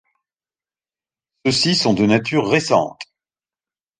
Ceux-ci sont de nature récente.